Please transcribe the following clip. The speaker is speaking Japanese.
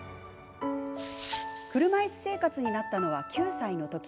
車いす生活になったのは９歳の時。